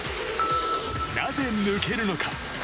なぜ抜けるのか。